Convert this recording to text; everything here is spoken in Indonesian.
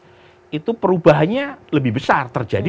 jadi perubahannya lebih besar terjadi